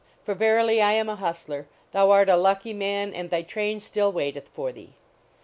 For verily I am a hustler, thou art a lucky man, and thy train still waiteth for thce